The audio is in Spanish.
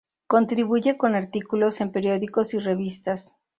Contribuye con artículos en periódicos y revistas.